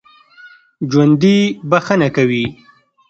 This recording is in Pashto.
ژوندي بښنه کوي